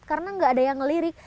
karena nggak ada yang ngelirik